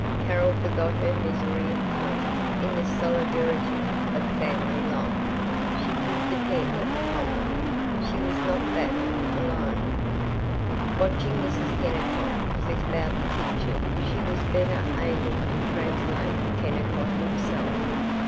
Carol forgot her misery hunting in this solidarity of family life. She could depend upon them; she was not battling alone. Watching Mrs. Kennicott flit about the kitchen she was better able to translate Kennicott himself.